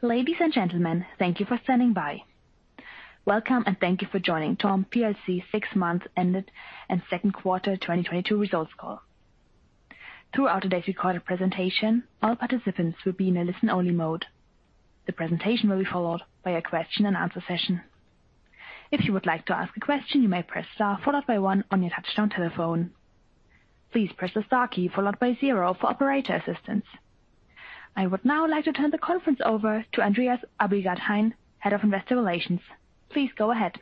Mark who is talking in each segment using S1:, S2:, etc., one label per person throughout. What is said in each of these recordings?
S1: Ladies and gentlemen, thank you for standing by. Welcome, and thank you for joining TORM plc six months ended and second quarter 2022 results call. Throughout today's recorded presentation, all participants will be in a listen-only mode. The presentation will be followed by a question and answer session. If you would like to ask a question, you may press star followed by one on your touch-tone telephone. Please press the star key followed by zero for operator assistance. I would now like to turn the conference over to Andreas Abildgaard-Hein, Head of Investor Relations. Please go ahead.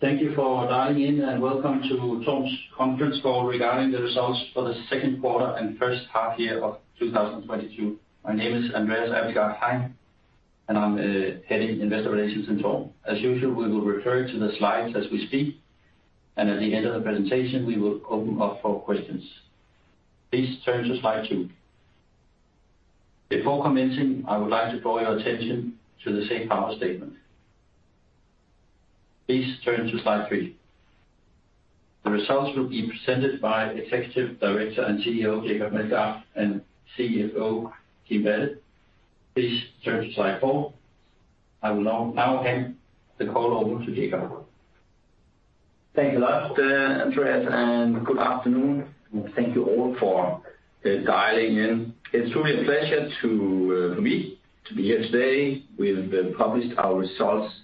S2: Thank you for dialing in, and welcome to TORM's conference call regarding the results for the second quarter and first half year of 2022. My name is Andreas Abildgaard-Hein, and I'm heading Investor Relations in TORM. As usual, we will refer to the slides as we speak, and at the end of the presentation, we will open up for questions. Please turn to slide two. Before commencing, I would like to draw your attention to the safe harbor statement. Please turn to slide three. The results will be presented by Executive Director and CEO Jacob Meldgaard and CFO Kim Balle. Please turn to slide four. I will now hand the call over to Jacob.
S3: Thank you a lot, Andreas, and good afternoon, and thank you all for dialing in. It's truly a pleasure for me to be here today. We've published our results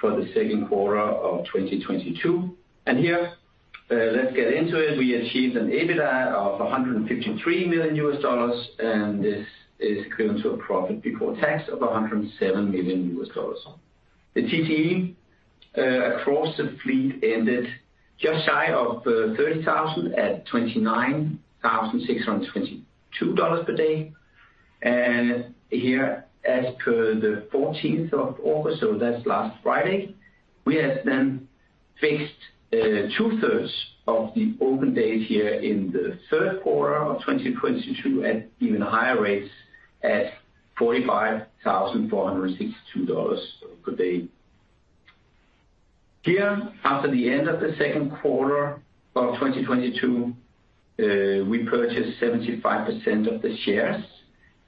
S3: for the second quarter of 2022, and here, let's get into it. We achieved an EBITDA of $153 million, and this is equivalent to a profit before tax of $107 million. The TCE across the fleet ended just shy of $30,000 at $29,622 per day. Here, as per the 14th of August, so that's last Friday, we have then fixed 2/3 of the open days here in the third quarter of 2022 at even higher rates at $45,462 per day. Here, after the end of the second quarter of 2022, we purchased 75% of the shares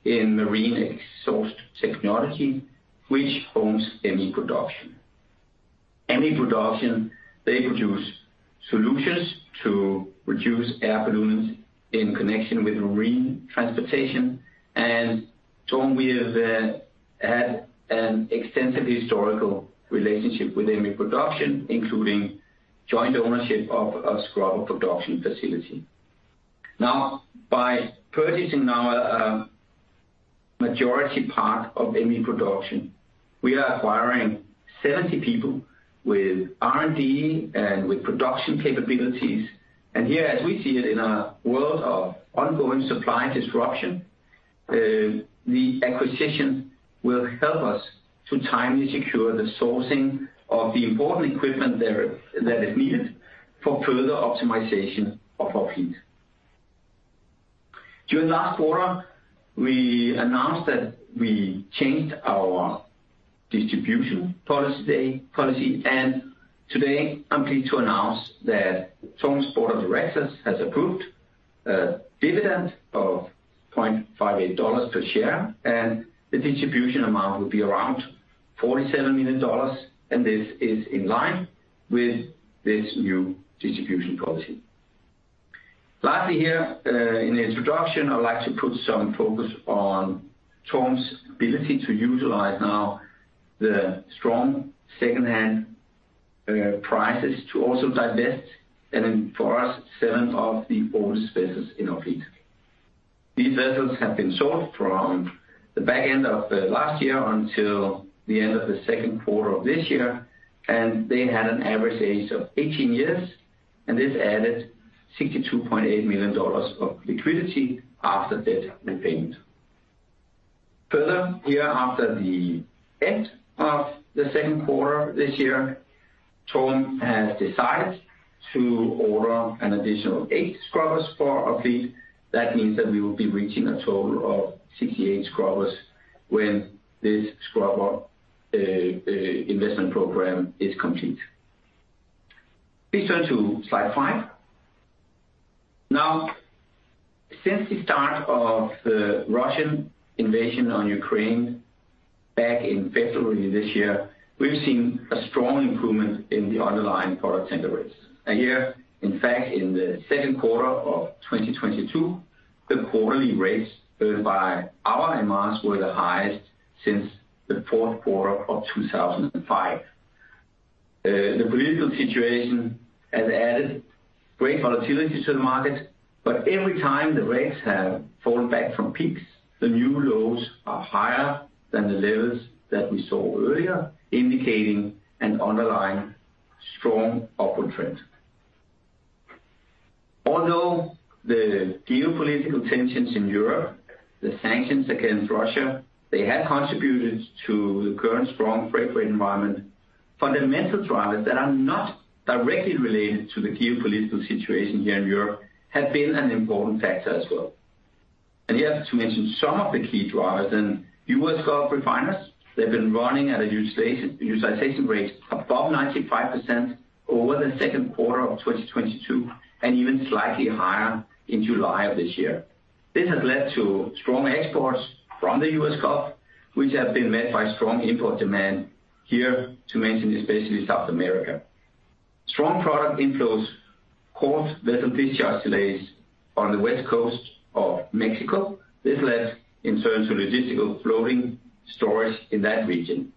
S3: in Marine Exhaust Technology A/S, which owns ME Production. ME Production, they produce solutions to reduce air pollutants in connection with marine transportation. TORM, we have had an extensive historical relationship with ME Production, including joint ownership of a scrubber production facility. Now, by purchasing our majority part of ME Production, we are acquiring 70 people with R&D and with production capabilities. Here, as we see it in a world of ongoing supply disruption, the acquisition will help us to timely secure the sourcing of the important equipment there that is needed for further optimization of our fleet. During last quarter, we announced that we changed our distribution policy, and today I'm pleased to announce that TORM's board of directors has approved a dividend of $0.58 per share, and the distribution amount will be around $47 million, and this is in line with this new distribution policy. Lastly here, in the introduction, I'd like to put some focus on TORM's ability to utilize now the strong secondhand prices to also divest and for us sell off the older vessels in our fleet. These vessels have been sold from the back end of last year until the end of the second quarter of this year, and they had an average age of 18 years, and this added $62.8 million of liquidity after debt repayment. Further, after the end of the second quarter this year, TORM has decided to order an additional eight scrubbers for our fleet. That means that we will be reaching a total of 68 scrubbers when this scrubber investment program is complete. Please turn to slide five. Now, since the start of the Russian invasion of Ukraine back in February this year, we've seen a strong improvement in the underlying product tanker rates. Here, in fact, in the second quarter of 2022, the quarterly rates earned by our MRs were the highest since the fourth quarter of 2005. The political situation has added great volatility to the market, but every time the rates have fallen back from peaks, the new lows are higher than the levels that we saw earlier, indicating an underlying strong upward trend. Although the geopolitical tensions in Europe, the sanctions against Russia, they have contributed to the current strong freight rate environment, fundamental drivers that are not directly related to the geopolitical situation here in Europe have been an important factor as well. Here to mention some of the key drivers, then U.S. Gulf refiners, they've been running at a utilization rate above 95% over the second quarter of 2022 and even slightly higher in July of this year. This has led to strong exports from the U.S. Gulf, which have been met by strong import demand here, to mention, especially South America. Strong product inflows caused vessel discharge delays on the West Coast of Mexico. This led in turn to logistical floating storage in that region.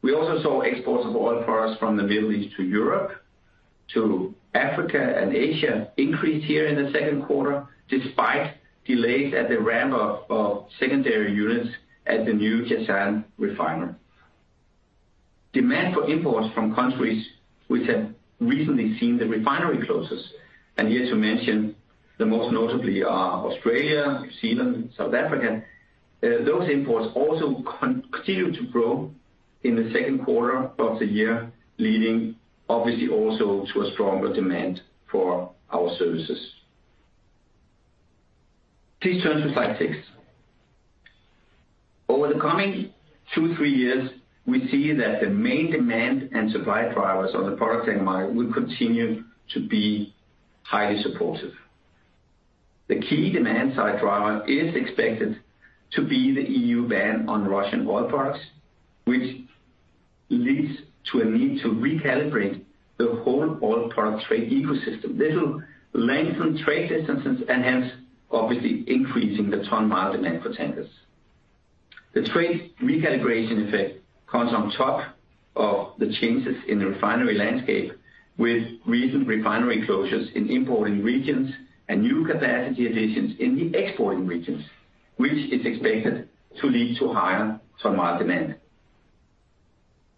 S3: We also saw exports of oil products from the Middle East to Europe, to Africa and Asia increase here in the second quarter, despite delays at the ramp up of secondary units at the new Jazan refinery. Demand for imports from countries which have recently seen the refinery closures, and here to mention the most notably are Australia, New Zealand, South Africa, those imports also continue to grow in the second quarter of the year, leading obviously also to a stronger demand for our services. Please turn to slide six. Over the coming two to three years, we see that the main demand and supply drivers on the product tanker market will continue to be highly supportive. The key demand side driver is expected to be the EU ban on Russian oil products, which leads to a need to recalibrate the whole oil product trade ecosystem. This will lengthen trade distances and hence, obviously increasing the ton-mile demand for tankers. The trade recalibration effect comes on top of the changes in the refinery landscape, with recent refinery closures in importing regions and new capacity additions in the exporting regions, which is expected to lead to higher ton-mile demand.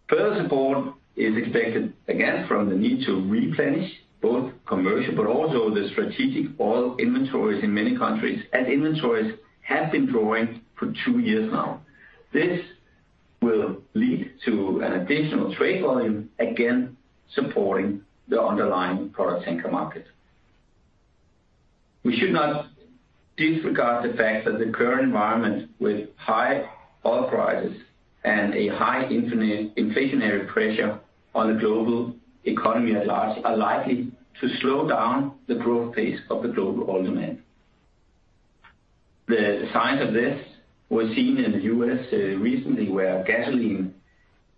S3: Further support is expected, again, from the need to replenish both commercial but also the strategic oil inventories in many countries, and inventories have been growing for two years now. This will lead to an additional trade volume, again, supporting the underlying product tanker market. We should not disregard the fact that the current environment with high oil prices and a high inflationary pressure on the global economy at large are likely to slow down the growth pace of the global oil demand. The signs of this were seen in the U.S. recently, where gasoline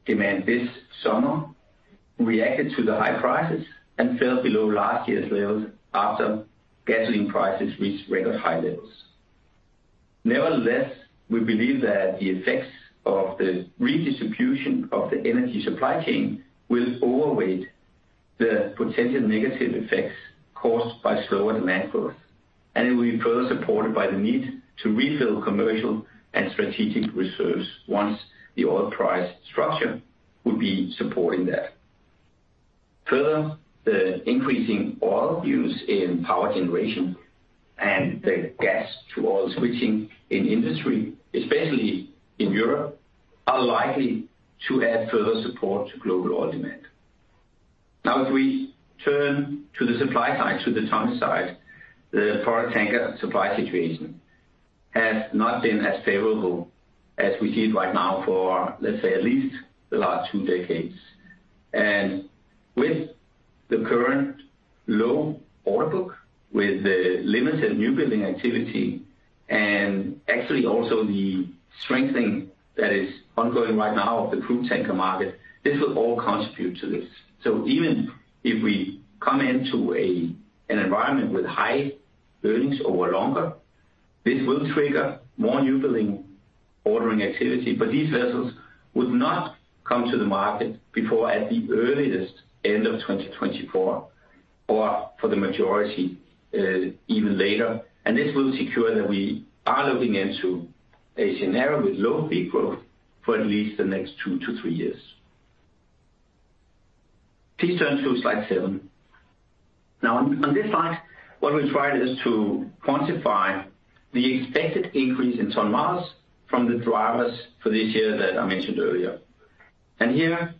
S3: demand this summer reacted to the high prices and fell below last year's levels after gasoline prices reached record high levels. Nevertheless, we believe that the effects of the redistribution of the energy supply chain will outweigh the potential negative effects caused by slower demand growth, and it will be further supported by the need to refill commercial and strategic reserves once the oil price structure will be supporting that. Further, the increasing oil use in power generation and the gas to oil switching in industry, especially in Europe, are likely to add further support to global oil demand. Now if we turn to the supply side, to the ton-mile side, the product tanker supply situation has not been as favorable as we see it right now for, let's say, at least the last two decades. With the current low order book, with the limited new building activity and actually also the strengthening that is ongoing right now of the crude tanker market, this will all contribute to this. Even if we come into an environment with high earnings over longer, this will trigger more new building ordering activity. These vessels would not come to the market before at the earliest end of 2024, or for the majority, even later. This will secure that we are looking into a scenario with low fleet growth for at least the next two to three years. Please turn to slide seven. Now on this slide, what we tried is to quantify the expected increase in ton-miles from the drivers for this year that I mentioned earlier. Here,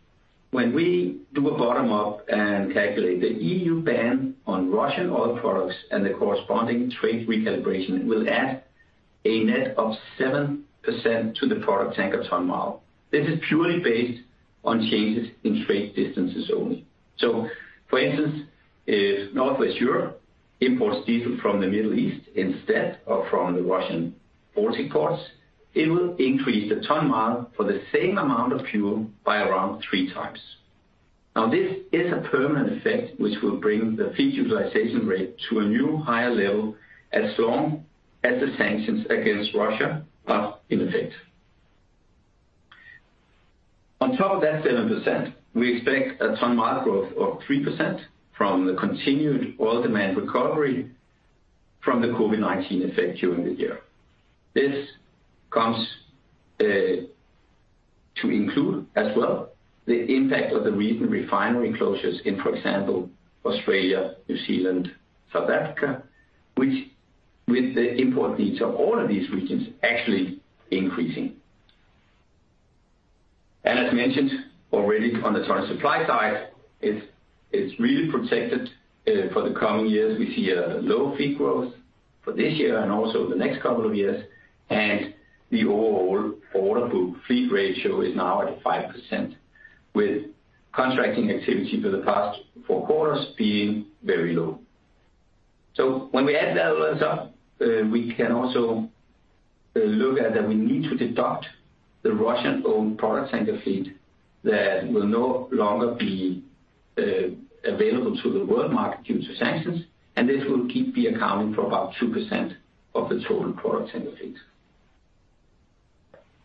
S3: when we do a bottom up and calculate the EU ban on Russian oil products and the corresponding trade recalibration, it will add a net of 7% to the product tanker ton-mile. This is purely based on changes in trade distances only. For instance, if Northwest Europe imports diesel from the Middle East instead of from the Russian Baltic ports, it will increase the ton-mile for the same amount of fuel by around three times. Now, this is a permanent effect which will bring the fleet utilization rate to a new higher level as long as the sanctions against Russia are in effect. On top of that 7%, we expect a ton-mile growth of 3% from the continued oil demand recovery from the COVID-19 effect during the year. This comes to include as well the impact of the recent refinery closures in, for example, Australia, New Zealand, South Africa, which, with the import needs of all of these regions actually increasing. As mentioned already on the ton-mile supply side, it's really protected for the coming years. We see a low fleet growth for this year and also the next couple of years. The overall order book fleet ratio is now at 5%. With contracting activity for the past four quarters being very low. When we add that all up, we can also look at that we need to deduct the Russian-owned product tanker fleet that will no longer be available to the world market due to sanctions, and this will account for about 2% of the total product tanker fleet.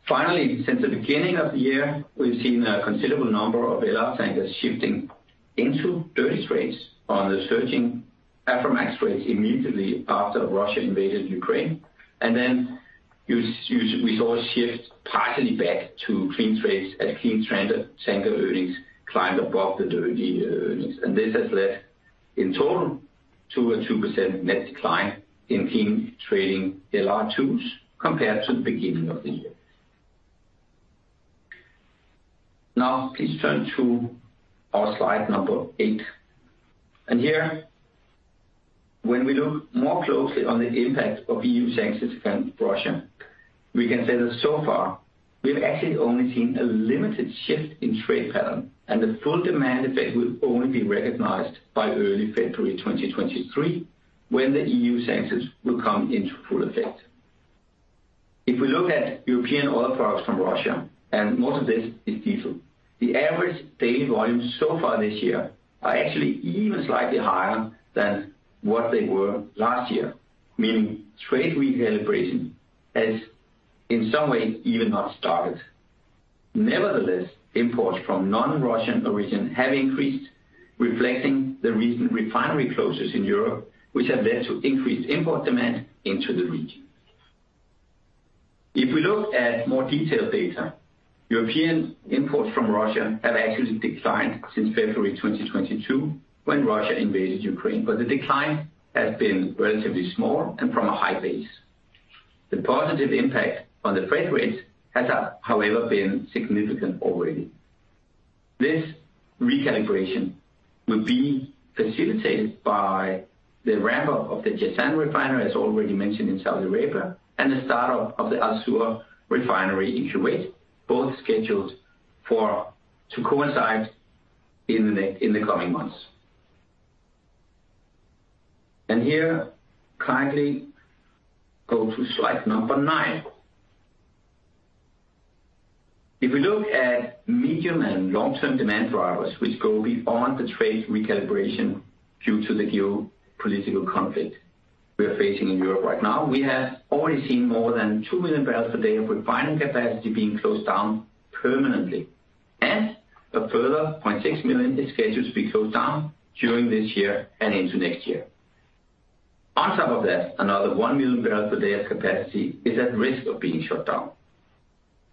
S3: Finally, since the beginning of the year, we've seen a considerable number of LR tankers shifting into dirty trades on the surging Aframax trades immediately after Russia invaded Ukraine. Then we saw a shift partly back to clean trades as clean trade tanker earnings climbed above the dirty earnings. This has led, in total, to a 2% net decline in clean trading LR2s compared to the beginning of the year. Now please turn to our slide number eight. Here, when we look more closely on the impact of EU sanctions against Russia, we can say that so far, we've actually only seen a limited shift in trade pattern, and the full demand effect will only be recognized by early February 2023, when the EU sanctions will come into full effect. If we look at European oil products from Russia, and most of this is diesel, the average daily volumes so far this year are actually even slightly higher than what they were last year, meaning trade recalibration has, in some ways, even not started. Nevertheless, imports from non-Russian origin have increased, reflecting the recent refinery closures in Europe, which have led to increased import demand into the region. If we look at more detailed data, European imports from Russia have actually declined since February 2022 when Russia invaded Ukraine, but the decline has been relatively small and from a high base. The positive impact on the freight rates has, however, been significant already. This recalibration will be facilitated by the ramp-up of the Jazan refinery, as already mentioned, in Saudi Arabia, and the start-up of the Al Zour refinery in Kuwait, both scheduled to coincide in the coming months. Here, kindly go to slide number nine. If we look at medium and long-term demand drivers which go beyond the trade recalibration due to the geopolitical conflict we are facing in Europe right now, we have already seen more than 2 million bbl per day of refining capacity being closed down permanently. A further 0.6 million is scheduled to be closed down during this year and into next year. On top of that, another 1 million bbl per day of capacity is at risk of being shut down.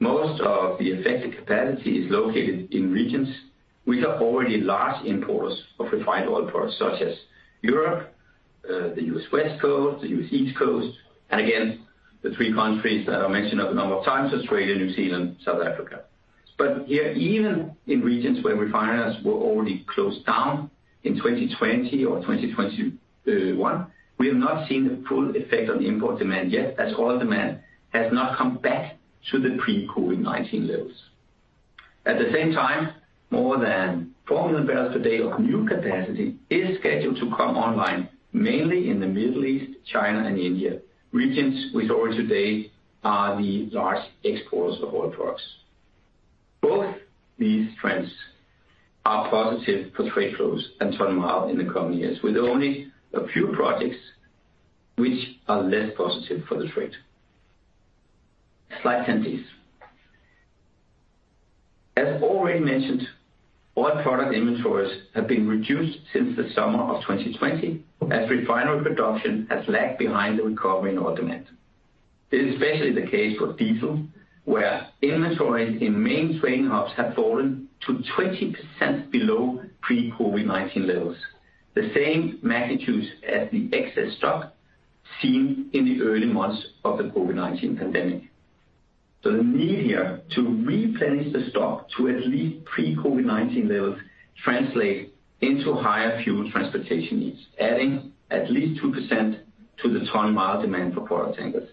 S3: Most of the affected capacity is located in regions which are already large importers of refined oil products such as Europe, the U.S. West Coast, the U.S. East Coast, and again, the three countries that I mentioned a number of times, Australia, New Zealand, South Africa. Here, even in regions where refiners were already closed down in 2020 or 2021, we have not seen the full effect on the import demand yet, as oil demand has not come back to the pre-COVID-19 levels. At the same time, more than 4 million bbl per day of new capacity is scheduled to come online, mainly in the Middle East, China and India, regions which already today are the large exporters of oil products. Both these trends are positive for trade flows and ton-mile in the coming years, with only a few projects which are less positive for the trade. Slide 10, please. As already mentioned, oil product inventories have been reduced since the summer of 2020 as refinery production has lagged behind the recovery in oil demand. This is especially the case for diesel, where inventories in main trading hubs have fallen to 20% below pre-COVID-19 levels, the same magnitude as the excess stock seen in the early months of the COVID-19 pandemic. The need here to replenish the stock to at least pre-COVID-19 levels translate into higher fuel transportation needs, adding at least 2% to the ton-mile demand for product tankers.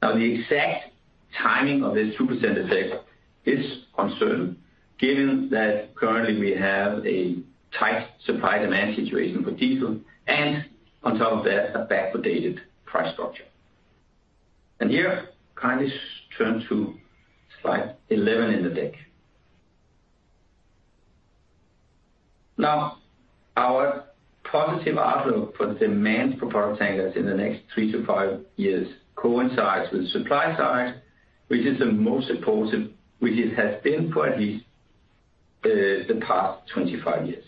S3: Now, the exact timing of this 2% effect is uncertain given that currently we have a tight supply-demand situation for diesel and on top of that, a backwardated price structure. Here, kindly turn to slide 11 in the deck. Our positive outlook for the demand for product tankers in the next three to five years coincides with supply side, which is the most supportive, which it has been for at least the past 25 years.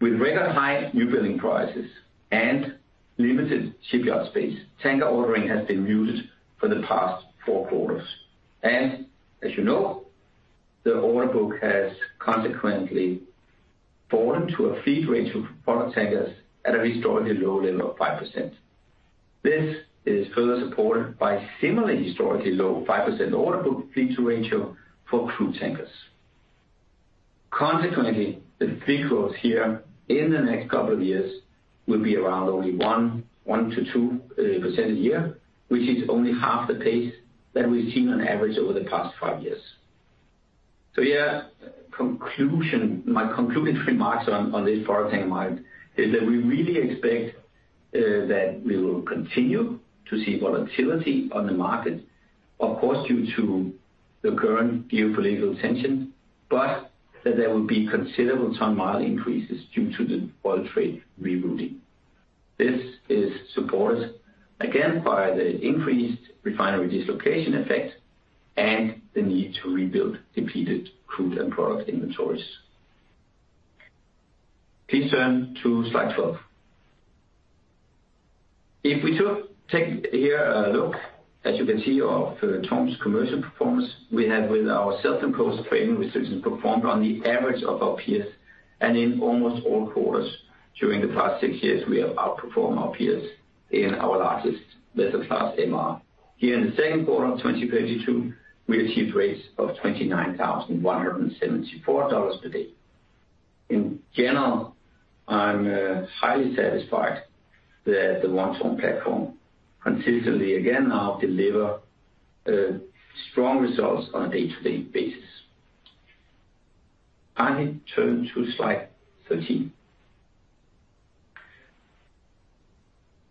S3: With record high new building prices and limited shipyard space, tanker ordering has been muted for the past four quarters. As you know, the order book has consequently fallen to a fleet range of product tankers at a historically low level of 5%. This is further supported by similarly historically low 5% order book fleet ratio for crude tankers. Consequently, the fleet growth here in the next couple of years will be around only 1%-2% a year, which is only half the pace that we've seen on average over the past five years. Yeah, conclusion, my concluding remarks on this tanker market is that we really expect that we will continue to see volatility on the market, of course, due to the current geopolitical tension, but that there will be considerable ton-mile increases due to the oil trade rerouting. This is supported again by the increased refinery dislocation effect and the need to rebuild depleted crude and product inventories. Please turn to slide 12. Take a look here, as you can see, TORM's commercial performance. We have with our self-imposed framing restrictions performed on the average of our peers, and in almost all quarters during the past six years we have outperformed our peers in our largest vessel class MR. Here in the second quarter of 2022, we achieved rates of $29,174 per day. In general, I'm highly satisfied that the One TORM platform consistently deliver strong results on a day-to-day basis. I turn to slide 13.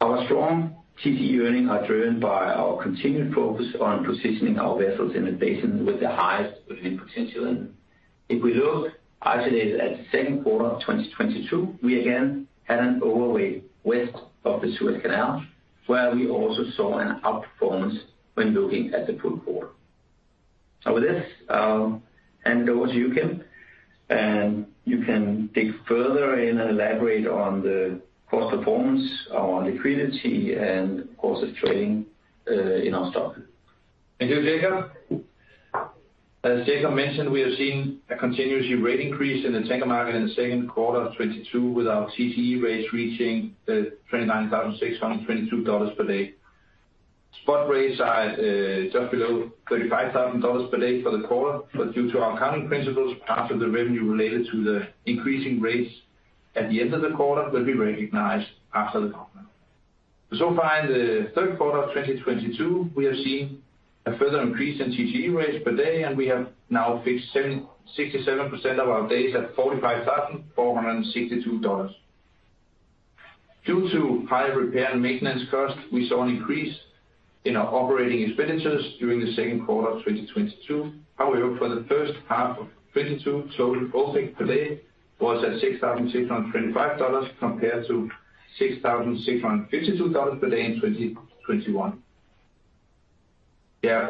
S3: Our strong TCE earnings are driven by our continued focus on positioning our vessels in the basin with the highest earning potential. If we look isolated at second quarter of 2022, we again had an overweight west of the Suez Canal, where we also saw an outperformance when looking at the full quarter. Hand over to you, Kim, and you can dig further in and elaborate on the cost performance, our liquidity, and, of course, trading in our stock.
S4: Thank you, Jacob. As Jacob mentioned, we have seen a continuous rate increase in the tanker market in the second quarter of 2022, with our TCE rates reaching $29,622 per day. Spot rates are just below $35,000 per day for the quarter, but due to our accounting principles, part of the revenue related to the increasing rates at the end of the quarter will be recognized after the quarter. So far in the third quarter of 2022, we have seen a further increase in TCE rates per day, and we have now fixed 77% of our days at $45,462. Due to high repair and maintenance costs, we saw an increase in our operating expenditures during the second quarter of 2022. However, for the first half of 2022, total opex per day was at $6,625 compared to $6,652 per day in 2021. Yeah,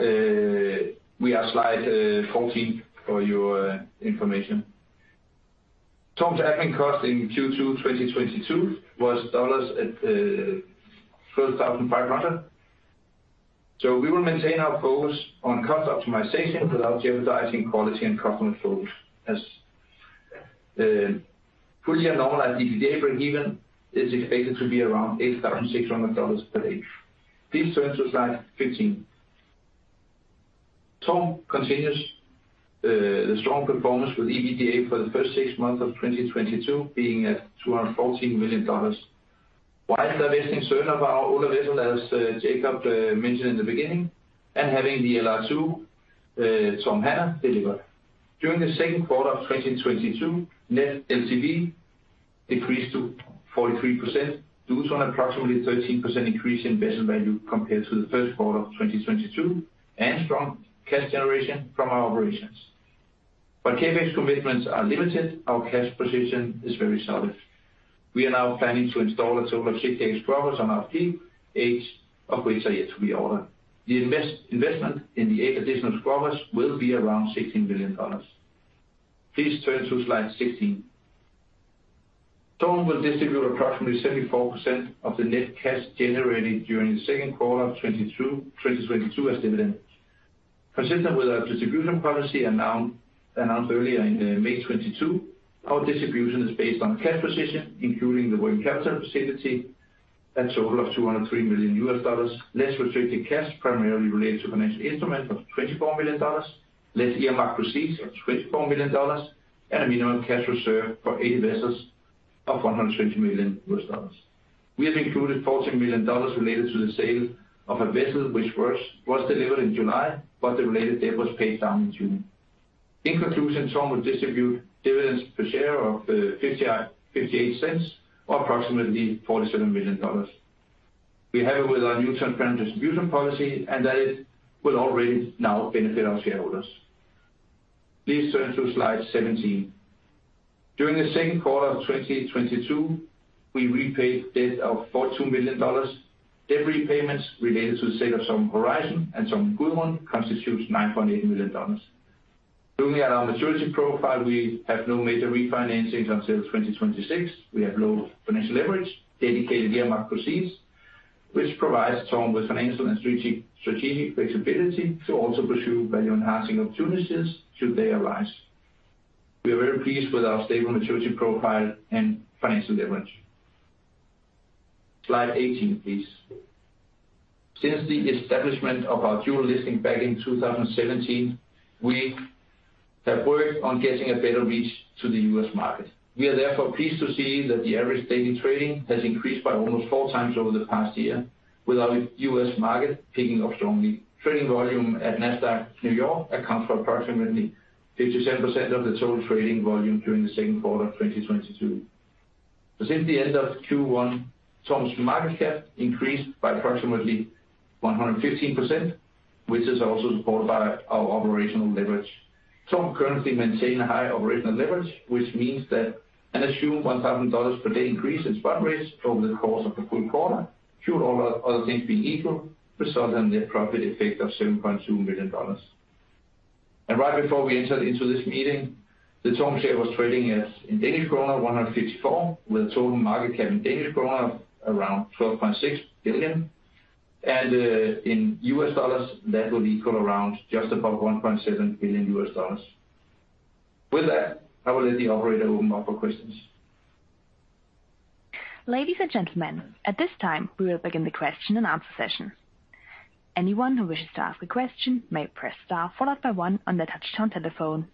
S4: we are slide 14 for your information. TORM's admin cost in Q2 2022 was $12,500. We will maintain our focus on cost optimization without jeopardizing quality and customer focus as fully annualized EBITDA breakeven is expected to be around $8,600 per day. Please turn to slide 15. TORM continues the strong performance with EBITDA for the first six months of 2022 being at $214 million. While divesting certain of our older vessels, as Jacob mentioned in the beginning and having the LR2 TORM Hannah deliver. During the second quarter of 2022, net LTV decreased to 43% due to an approximately 13% increase in vessel value compared to the first quarter of 2022 and strong cash generation from our operations. CapEx commitments are limited, our cash position is very solid. We are now planning to install a total of 68 scrubbers on our fleet, eight of which are yet to be ordered. The investment in the eight additional scrubbers will be around $16 million. Please turn to slide 16. TORM will distribute approximately 74% of the net cash generated during the second quarter of 2022 as dividend. Consistent with our distribution policy announced earlier in May 2022, our distribution is based on cash position, including the working capital stability at total of $203 million, less restricted cash primarily related to financial instrument of $24 million, less earmarked proceeds of $24 million, and a minimum cash reserve for eight vessels of $120 million. We have included $14 million related to the sale of a vessel which first was delivered in July, but the related debt was paid down in June. In conclusion, TORM will distribute dividends per share of $0.58 or approximately $47 million. We have it with our new term current distribution policy, and that it will already now benefit our shareholders. Please turn to slide 17. During the second quarter of 2022, we repaid debt of $42 million. Debt repayments related to the sale of TORM Horizon and TORM Gudmund constitutes $9.8 million. Looking at our maturity profile, we have no major refinancings until 2026. We have low financial leverage, dedicated earmarked proceeds, which provides TORM with financial and strategic flexibility to also pursue value enhancing opportunities should they arise. We are very pleased with our stable maturity profile and financial leverage.
S3: Slide 18, please. Since the establishment of our dual listing back in 2017, we have worked on getting a better reach to the U.S. market. We are therefore pleased to see that the average daily trading has increased by almost four times over the past year, with our U.S. market picking up strongly. Trading volume at Nasdaq New York accounts for approximately 57% of the total trading volume during the second quarter of 2022. Since the end of Q1, TORM's market cap increased by approximately 115%, which is also supported by our operational leverage. TORM currently maintain a high operational leverage, which means that an assumed $1,000 per day increase in spot rates over the course of a full quarter should all other things being equal, result in a profit effect of $7.2 million. Right before we entered into this meeting, the TORM share was trading at, in Danish kroner, 154, with total market cap in Danish kroner around 12.6 billion. In U.S. dollars, that will equal around just above $1.7 billion. With that, I will let the operator open up for questions.
S1: Ladies and gentlemen, at this time, we will begin the question and answer session. Anyone who wishes to ask a question may press star followed by one on their touchtone telephone.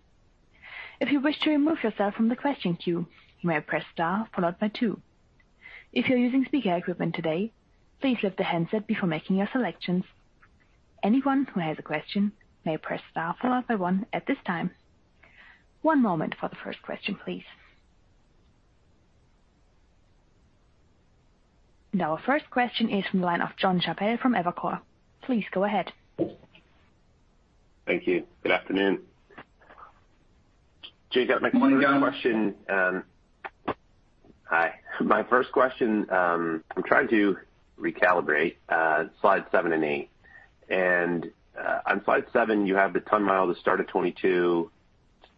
S1: If you wish to remove yourself from the question queue, you may press star followed by two. If you're using speaker equipment today, please lift the handset before making your selections. Anyone who has a question may press star followed by one at this time. One moment for the first question, please. Our first question is from the line of Jonathan Chappell from Evercore ISI. Please go ahead.
S5: Thank you. Good afternoon. Jacob, my question. Hi. My first question, I'm trying to recalibrate slide seven and eight. On slide seven, you have the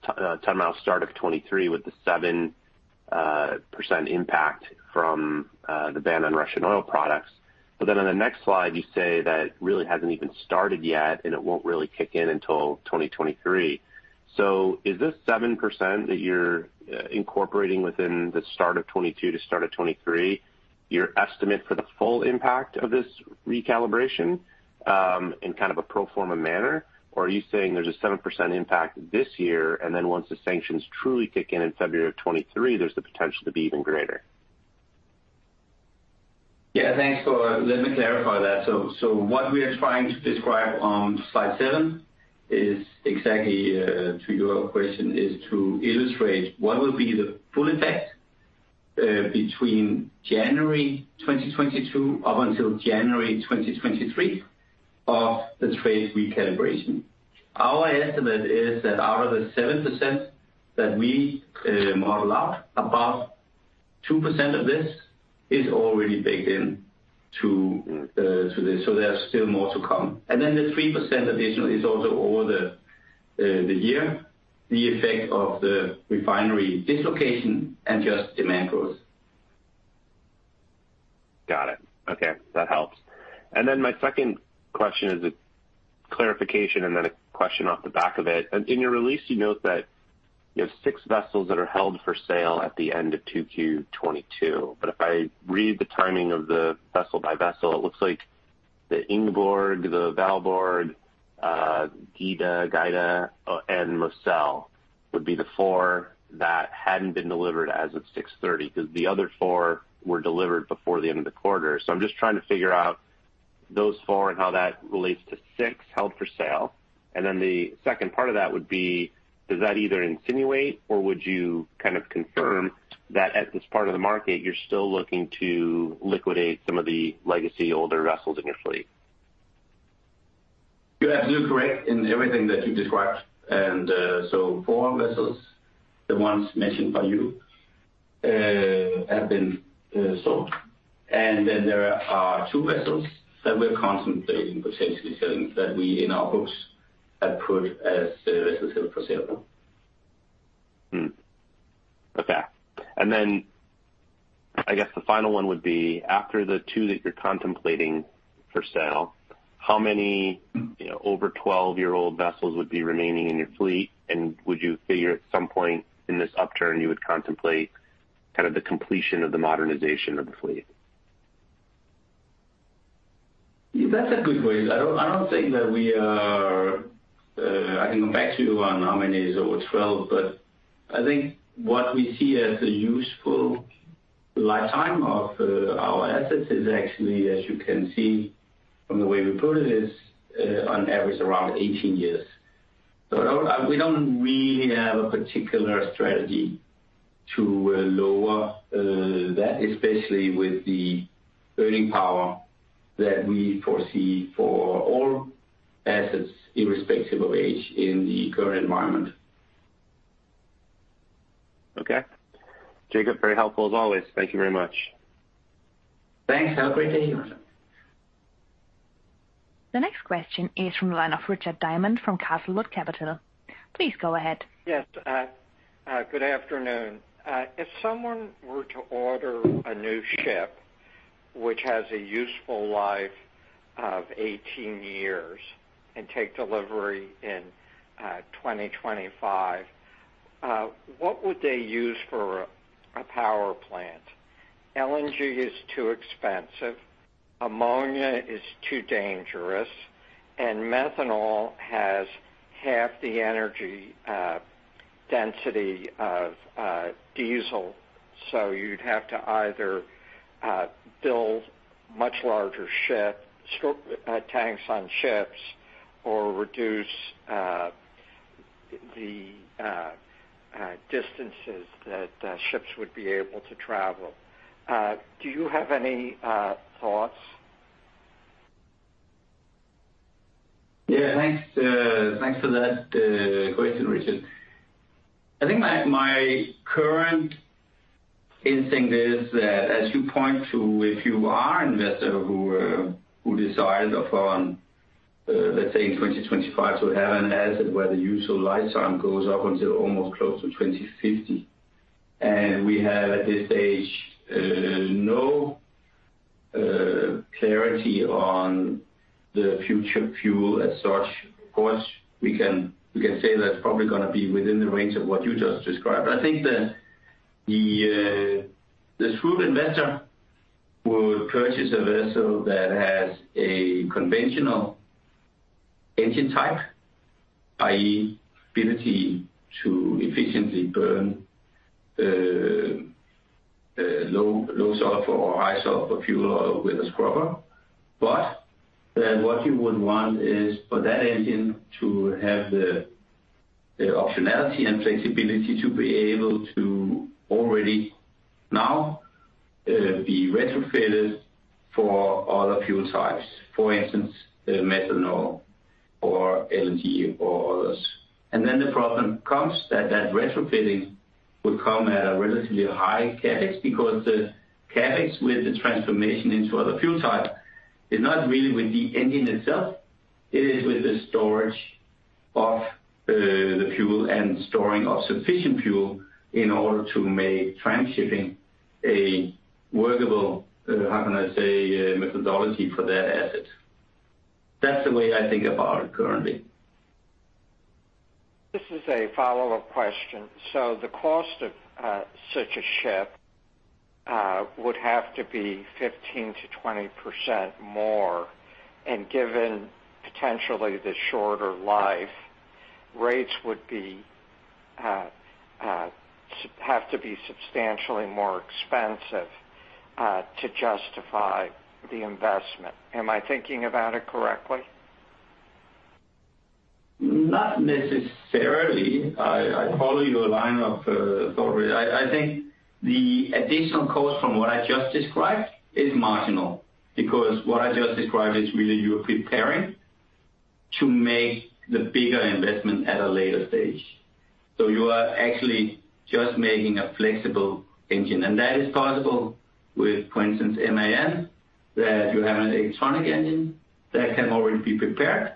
S5: ton-mile start of 2022, ton-mile start of 2023 with the 7% impact from the ban on Russian oil products. On the next slide, you say that it really hasn't even started yet, and it won't really kick in until 2023. Is this 7% that you're incorporating within the start of 2022 to start of 2023 your estimate for the full impact of this recalibration in kind of a pro forma manner? Or are you saying there's a 7% impact this year, and then once the sanctions truly kick in in February of 2023, there's the potential to be even greater?
S3: Let me clarify that. So what we are trying to describe on slide seven is exactly to your question, is to illustrate what will be the full effect between January 2022 up until January 2023 of the trade recalibration. Our estimate is that out of the 7% that we model out, about 2% of this is already baked in to this. So there's still more to come. Then the 3% additional is also over the year, the effect of the refinery dislocation and just demand growth.
S5: Got it. Okay, that helps. My second question is a clarification and then a question off the back of it. In your release, you note that you have six vessels that are held for sale at the end of 2Q 2022. If I read the timing of the vessel by vessel, it looks like the Ingeborg, the Valborg, Gyda, and Moselle would be the four that hadn't been delivered as of 6/30/2022, 'cause the other four were delivered before the end of the quarter. I'm just trying to figure out those four and how that relates to six held for sale. The second part of that would be, does that either insinuate or would you kind of confirm that at this part of the market, you're still looking to liquidate some of the legacy older vessels in your fleet?
S3: You're absolutely correct in everything that you described. Four vessels, the ones mentioned by you, have been sold. There are two vessels that we're contemplating potentially selling that we in our books have put as vessels held for sale.
S5: I guess the final one would be after the two that you're contemplating for sale, how many, you know, over 12-year-old vessels would be remaining in your fleet? Would you figure at some point in this upturn, you would contemplate kind of the completion of the modernization of the fleet?
S3: That's a good way. I don't think that we are. I can come back to you on how many is over 12, but I think what we see as a useful lifetime of our assets is actually, as you can see from the way we put it, on average around 18 years. We don't really have a particular strategy to lower that, especially with the earning power that we foresee for all assets irrespective of age in the current environment.
S5: Okay. Jacob, very helpful as always. Thank you very much.
S3: Thanks. Have a great day.
S1: The next question is from the line of Richard Diamond from Castlewood Capital. Please go ahead.
S6: Yes. Good afternoon. If someone were to order a new ship which has a useful life of 18 years and take delivery in 2025, what would they use for a power plant? 68 is too expensive, ammonia is too dangerous, and methanol has half the energy density of diesel. You'd have to either build much larger tanks on ships or reduce the distances that ships would be able to travel. Do you have any thoughts?
S3: Yeah, thanks. Thanks for that question, Richard. I think my current instinct is that as you point to, if you are investor who decides upon, let's say in 2025, to have an asset where the usual lifetime goes up until almost close to 2050. We have at this stage no clarity on the future fuel as such. Of course, we can say that it's probably gonna be within the range of what you just described. I think that the smart investor would purchase a vessel that has a conventional engine type, i.e., ability to efficiently burn low sulfur or high sulfur fuel with a scrubber. What you would want is for that engine to have the optionality and flexibility to be able to already now be retrofitted for other fuel types. For instance, methanol or 68 or others. The problem comes that retrofitting will come at a relatively high CapEx, because the CapEx with the transformation into other fuel type is not really with the engine itself, it is with the storage of the fuel and storing of sufficient fuel in order to make transshipping a workable, how can I say, methodology for that asset. That's the way I think about it currently.
S6: This is a follow-up question. The cost of such a ship would have to be 15%-20% more, and given potentially the shorter life, rates would have to be substantially more expensive to justify the investment. Am I thinking about it correctly?
S3: Not necessarily. I follow your line of thought. I think the additional cost from what I just described is marginal, because what I just described is really you're preparing to make the bigger investment at a later stage. You are actually just making a flexible engine. That is possible with, for instance, MAN, that you have an electronic engine that can already be prepared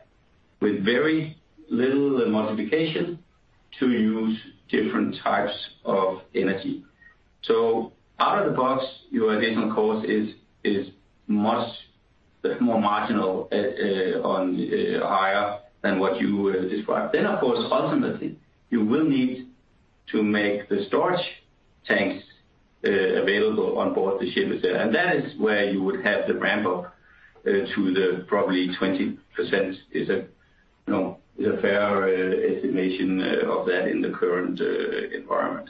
S3: with very little modification to use different types of energy. Out of the box, your additional cost is much more marginal, no, higher than what you described. Of course, ultimately, you will need to make the storage tanks available on board the ship. That is where you would have the ramp up to the probably 20% is, you know, a fair estimation of that in the current environment.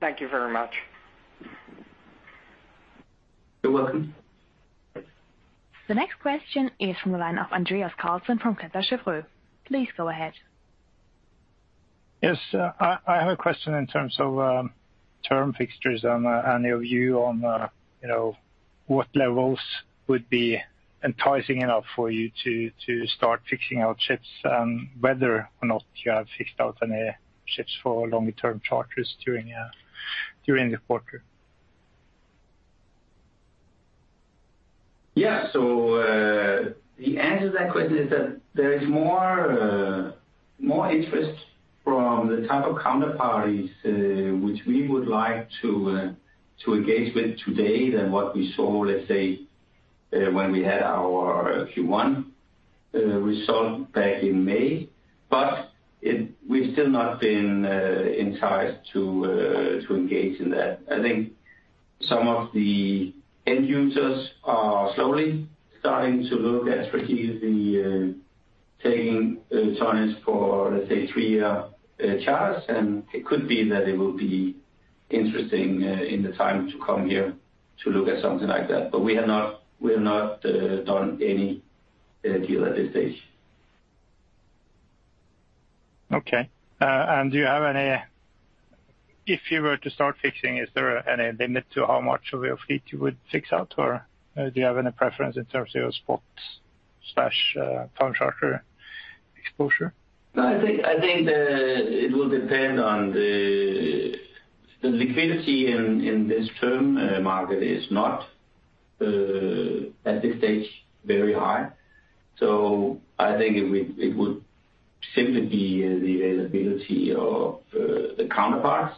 S6: Thank you very much.
S3: You're welcome.
S1: The next question is from the line of Anders Karlsen from Kepler Cheuvreux. Please go ahead.
S7: Yes. I have a question in terms of term fixtures and your view on, you know, what levels would be enticing enough for you to start fixing out ships, whether or not you have fixed out any ships for longer term charters during the quarter.
S3: Yeah. The answer to that question is that there is more interest from the type of counterparties which we would like to engage with today than what we saw, let's say, when we had our Q1 result back in May. We've still not been enticed to engage in that. I think some of the end users are slowly starting to look at strategically taking returns for, let's say, three-year charters. It could be that it will be interesting in the time to come here to look at something like that. We have not done any deal at this stage.
S7: Okay. Do you have any, if you were to start fixing, is there any limit to how much of your fleet you would fix out? Or do you have any preference in terms of your spot/time charter exposure?
S3: No, I think it will depend on the liquidity in this term market is not at this stage very high. So I think it would Simply the availability of the counterparties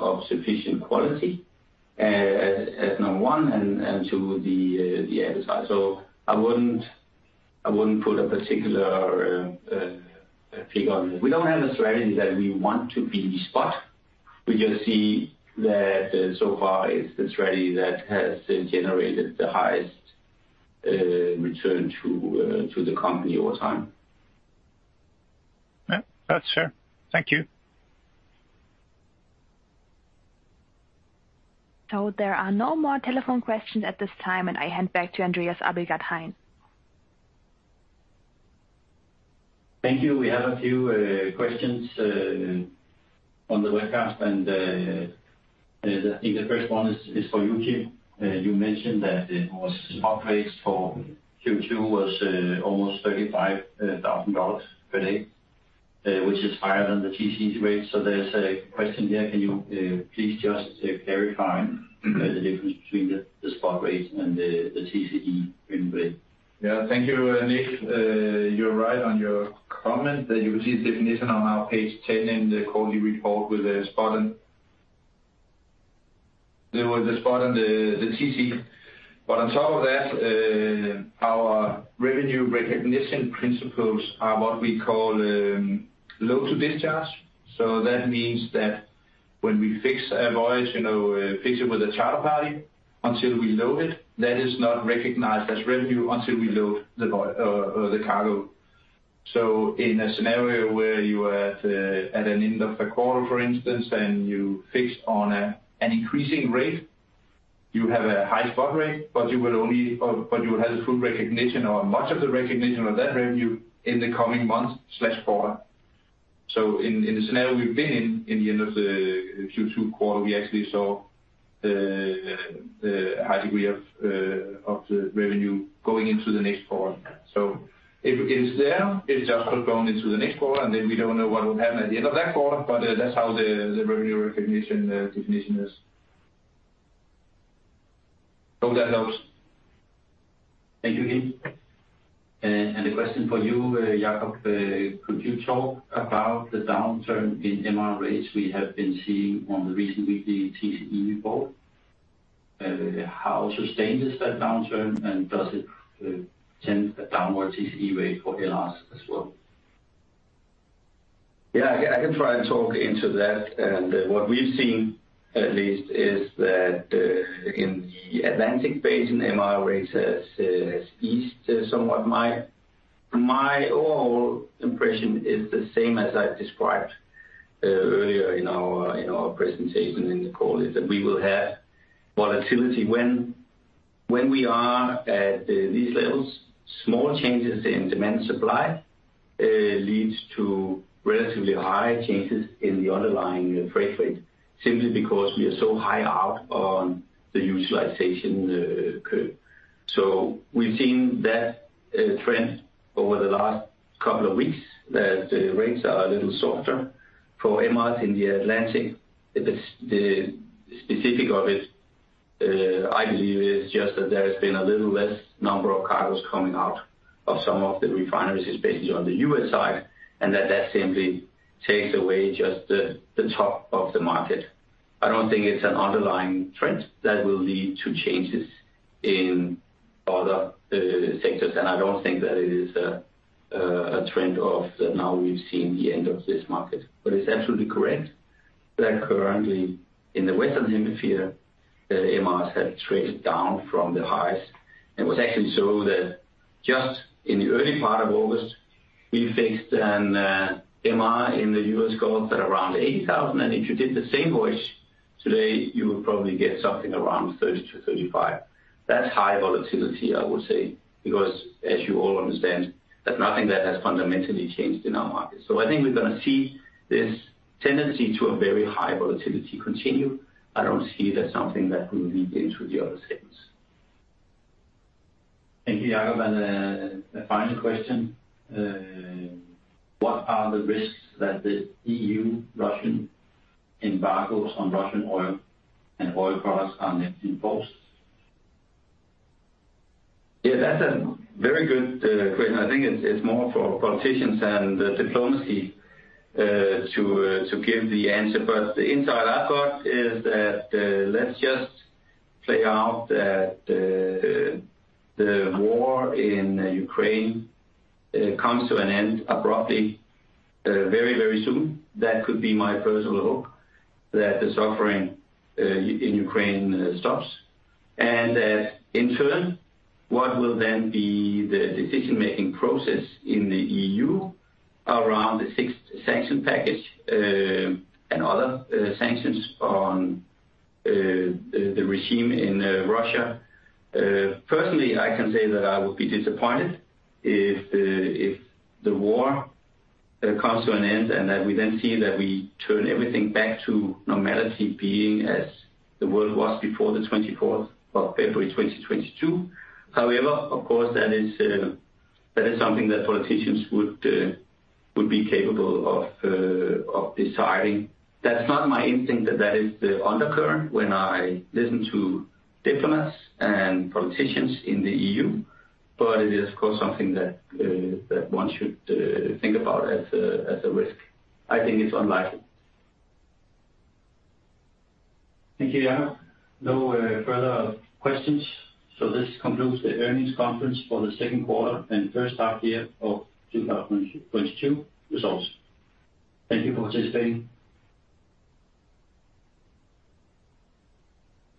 S3: of sufficient quality as number one and to the other side. I wouldn't put a particular figure on it. We don't have a strategy that we want to be the spot. We just see that so far it's the strategy that has generated the highest return to the company over time.
S7: Yeah, that's fair. Thank you.
S1: There are no more telephone questions at this time, and I hand back to Andreas Abildgaard-Hein.
S2: Thank you. We have a few questions on the webcast. I think the first one is for you, Kim. You mentioned that it was spot rates for Q2 was almost $35,000 per day, which is higher than the TCE rate. There's a question here. Can you please just verify the difference between the spot rate and the TCE earned rate?
S4: Yeah, thank you, Andreas. You're right on your comment that you will see the definition on our page 10 in the quarterly report with the spot and the TCE. On top of that, our revenue recognition principles are what we call load to discharge. That means that when we fix a voyage, you know, fix it with a charter party until we load it, that is not recognized as revenue until we load the cargo. In a scenario where you are at an end of a quarter, for instance, then you fix on an increasing rate. You have a high spot rate, but you will have a full recognition or much of the recognition of that revenue in the coming months or quarter. In the scenario we've been in the end of the Q2 quarter, we actually saw the high degree of the revenue going into the next quarter. If it is there, it's just gone into the next quarter, and then we don't know what will happen at the end of that quarter. That's how the revenue recognition definition is.
S2: Hope that helps. Thank you, Kim. A question for you, Jacob. Could you talk about the downturn in MR rates we have been seeing on the recent weekly TCE report? How sustained is that downturn, and does it send a downward TCE rate for LRs as well?
S3: Yeah, I can try and talk into that. What we've seen at least is that, in the Atlantic Basin, MR rates has eased somewhat. My overall impression is the same as I've described earlier in our presentation in the call, is that we will have volatility. When we are at these levels, small changes in demand supply leads to relatively high changes in the underlying freight rate simply because we are so high out on the utilization curve. We've seen that trend over the last couple of weeks, that the rates are a little softer for MRs in the Atlantic. The specifics of it, I believe, is just that there has been a little less number of cargoes coming out of some of the refineries, especially on the U.S. side, and that simply takes away just the top of the market. I don't think it's an underlying trend that will lead to changes in other sectors. I don't think that it is a trend of now we've seen the end of this market. It's absolutely correct that currently in the western hemisphere, MRs have traded down from the highs. It was actually so that just in the early part of August, we fixed an MR in the U.S. Gulf at around $80,000. If you did the same voyage today, you would probably get something around $30,000-$35,000. That's high volatility, I would say, because as you all understand, that's nothing that has fundamentally changed in our market. I think we're gonna see this tendency to a very high volatility continue. I don't see that something that will lead into the other segments.
S2: Thank you, Jacob. A final question. What are the risks that the EU's Russian embargoes on Russian oil and oil products are not yet in force?
S3: Yeah, that's a very good question. I think it's more for politicians and diplomacy to give the answer. But the insight I've got is that, let's just play out that the war in Ukraine comes to an end abruptly very, very soon. That could be my personal hope, that the suffering in Ukraine stops. In turn, what will then be the decision-making process in the EU around the sixth package of sanctions and other sanctions on the regime in Russia. Personally, I can say that I would be disappointed if the war comes to an end and that we then see that we turn everything back to normality being as the world was before the 24th of February 2022. However, of course that is something that politicians would be capable of deciding. That's not my instinct that that is the undercurrent when I listen to diplomats and politicians in the EU. It is of course something that one should think about as a risk. I think it's unlikely.
S2: Thank you, Jacob. No, further questions. This concludes the earnings conference for the second quarter and first half year of 2022 results. Thank you for participating.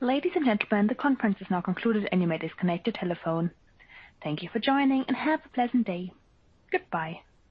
S1: Ladies and gentlemen, the conference is now concluded, and you may disconnect your telephone. Thank you for joining, and have a pleasant day. Goodbye.